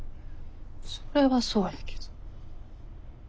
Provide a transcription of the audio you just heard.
それはそうやけど。